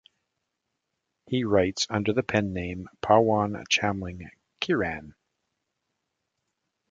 He writes under the pen name Pawan Chamling "Kiran".